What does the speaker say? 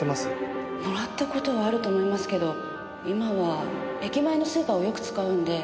もらった事はあると思いますけど今は駅前のスーパーをよく使うので。